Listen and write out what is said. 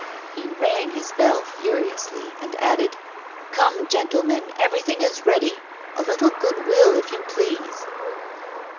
He rang his bell furiously, and added: 'Come, gentlemen, everything is ready a little good will, if you please.